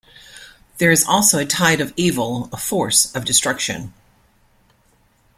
There is also a tide of evil, a force of destruction.